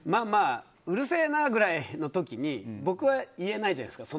うるせえなぐらいの時に僕は言えないじゃないですか